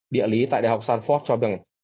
địa lý tại đại học sanford cho biết